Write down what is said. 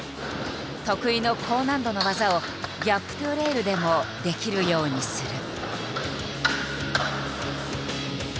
得意の高難度の技を「ギャップｔｏレール」でもできるようにする。